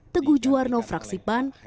tenggu juwarno fraksi ban